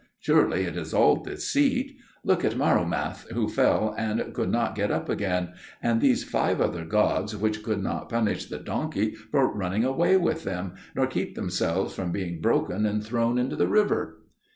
Surely it is all deceit. Look at Marumath, who fell and could not get up again, and these five other gods which could not punish the donkey for running away with them, nor keep themselves from being broken and thrown into the river."